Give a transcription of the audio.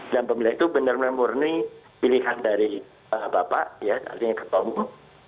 dalam pemilihan itu benar benar murni pilihan dari bapak ya artinya ketua umum